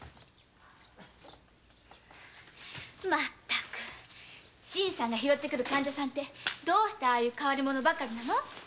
全く新さんが拾って来る患者さんってどうして変わり者ばかりなの？